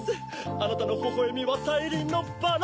あなたのほほえみはたいりんのバラ！